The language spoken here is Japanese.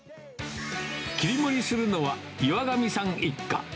切り盛りするのは、岩上さん一家。